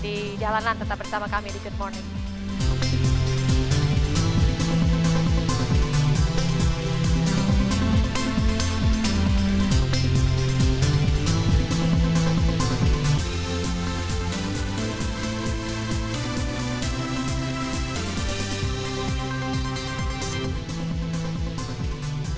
tetap bersama kami di good morning